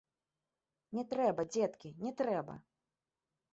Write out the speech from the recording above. Не трэба, дзеткі, не трэба!